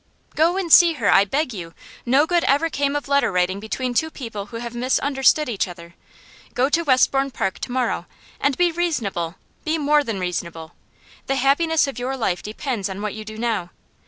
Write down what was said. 'Go and see her, I beg you! No good ever came of letter writing between two people who have misunderstood each other. Go to Westbourne Park to morrow. And be reasonable; be more than reasonable. The happiness of your life depends on what you do now.